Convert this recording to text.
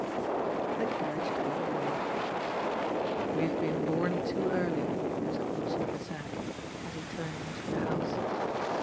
The carriage drove away. ^*We have been bom too early," said Lossell sadly, as he turned into the house.